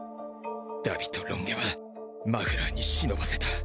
荼毘とロン毛はマフラーに忍ばせた。